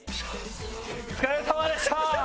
お疲れさまでした！